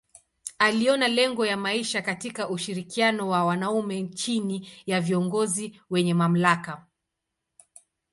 Aliona lengo ya maisha katika ushirikiano wa wanaume chini ya viongozi wenye mamlaka.